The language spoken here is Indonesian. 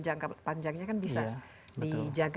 jangka panjangnya kan bisa dijaga